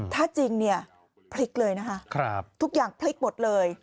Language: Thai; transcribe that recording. ถ้าจริงเนี่ยพลิกเลยนะคะทุกอย่างพลิกหมดเลย